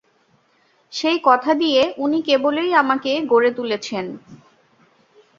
সেই কথা দিয়ে উনি কেবলই আমাকে গড়ে তুলেছেন।